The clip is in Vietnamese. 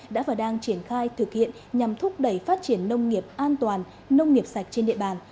đã và đang triển khai thực hiện nhằm thúc đẩy phát triển nông nghiệp an toàn nông nghiệp sạch trên địa bàn